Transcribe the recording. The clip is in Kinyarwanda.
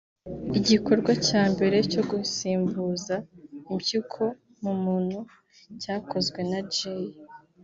Igikorwa cya mbere cyo gusimbuza impyiko mu muntu cyakozwe na J